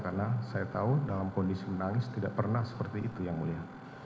karena saya tahu dalam kondisi menangis tidak pernah seperti itu yang mulia